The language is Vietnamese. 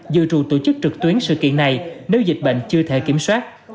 dự trù tổ chức trực tuyến sự kiện này nếu dịch bệnh chưa thể kiểm soát